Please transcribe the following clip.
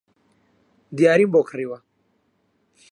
دیاریم بۆ کڕیوە